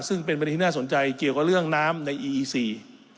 ซึ่งเป็นบริษัทน่าสนใจเกี่ยวกับเรื่องน้ำในอีอีสี่